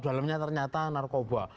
dalamnya ternyata narkoba